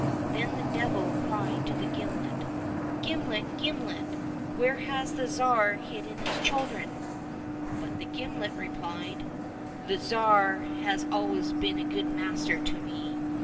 — Then the Devil cried to the gimlet, '' Gimlet, gimlet, where has the Tsar hidden his chil dren ?"— But the gimlet repHed, " The Tsar has always been a good master to me.